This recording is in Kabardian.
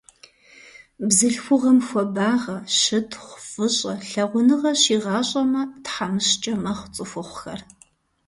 Бзылъхугъэм хуабагъэ, щытхъу, фӀыщӀэ, лъагъуныгъэ щигъащӀэмэ, тхьэмыщкӀэ мэхъу цӏыхухъухэр.